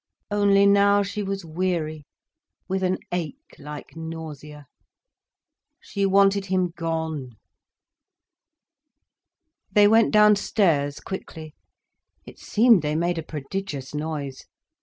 Only now she was weary, with an ache like nausea. She wanted him gone. They went downstairs quickly. It seemed they made a prodigious noise.